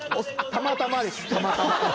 たまたまです。